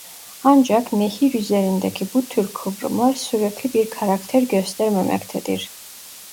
Ancak nehir üzerindeki bu tür kıvrımlar sürekli bir karakter göstermemektedir.